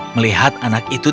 melihat anak itu